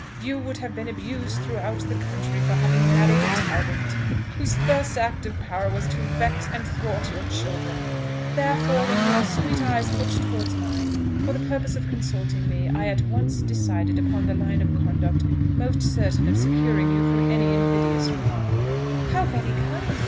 You would have been abused throughout the country for having married a tyrant, whose first act of power was to vex and thwart your children. Therefore, when your sweet eyes looked towards mine, for the purpose of consulting me, I at once decided upon the line of conduct most certain of securing you from any invidious remark." "How very kind!